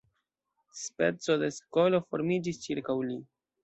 Speco de skolo formiĝis ĉirkaŭ li.